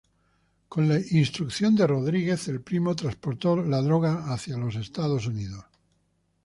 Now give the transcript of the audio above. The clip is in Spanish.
Con la instrucción de "Rodríguez", el primo transportó la droga hacia los Estados Unidos.